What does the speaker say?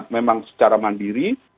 memang secara mandiri